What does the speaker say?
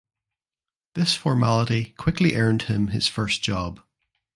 This formality quickly earned him his first job.